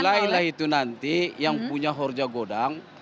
mulailah itu nanti yang punya horja godang